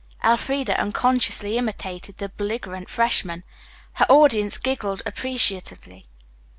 '" Elfreda unconsciously imitated the belligerent freshman. Her audience giggled appreciatively.